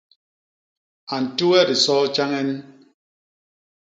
A nti we disoo tjañen?